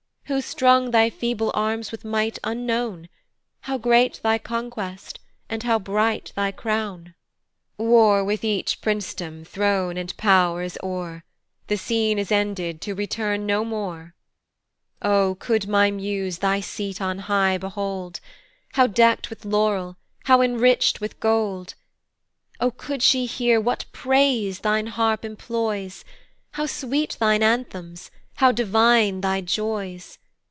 Who strung thy feeble arms with might unknown, How great thy conquest, and how bright thy crown! War with each princedom, throne, and pow'r is o'er, The scene is ended to return no more. O could my muse thy seat on high behold, How deckt with laurel, how enrich'd with gold! O could she hear what praise thine harp employs, How sweet thine anthems, how divine thy joys!